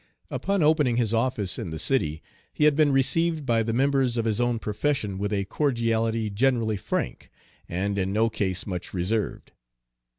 Upon opening his office in the city, he had been received by the members of his own profession with a cordiality generally frank, and in no case much reserved.